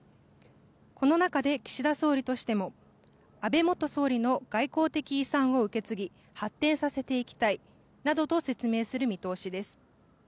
この中で岸田総理としても安倍元総理の外交的遺産を受け継ぎ発展させていきたいなどと説明する見通しです。